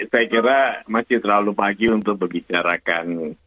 saya kira masih terlalu pagi untuk berbicarakan